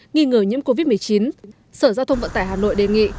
nghi ngờ nhiễm covid một mươi chín sở giao thông vận tải hà nội đề nghị